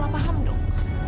kamu jangan salah paham dong